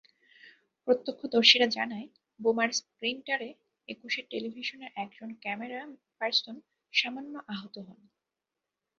প্রত্যক্ষদর্শীরা জানায়, বোমার স্প্লিন্টারে একুশে টেলিভিশনের একজন ক্যামেরা পারসন সামান্য আহত হন।